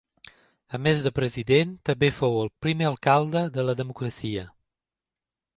A més de president, també fou el primer alcalde de la democràcia.